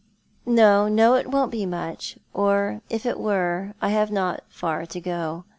" No, no, it won't be much, or if it were I have not far to go.